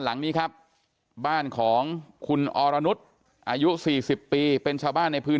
หลังนี้ครับบ้านของคุณอรนุษย์อายุ๔๐ปีเป็นชาวบ้านในพื้น